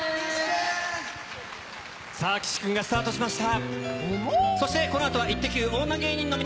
岸君がスタートしました。